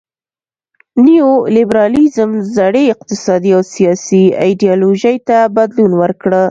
نیو لیبرالیزم زړې اقتصادي او سیاسي ایډیالوژۍ ته بدلون ورکړ.